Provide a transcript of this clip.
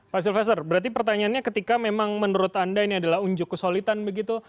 pak sulveser berarti pertanyaannya ketika memang menurut anda ini adalah unjuk kesolidan begitu